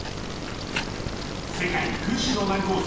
世界屈指の難コース